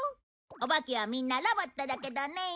お化けはみんなロボットだけどね。